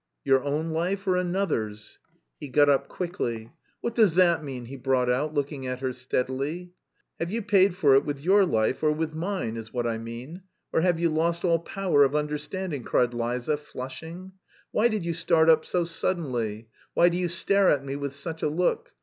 "Your own life or another's?" He got up quickly. "What does that mean?" he brought out, looking at her steadily. "Have you paid for it with your life or with mine? is what I mean. Or have you lost all power of understanding?" cried Liza, flushing. "Why did you start up so suddenly? Why do you stare at me with such a look?